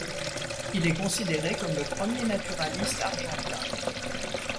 Il est considéré comme le premier naturaliste argentin.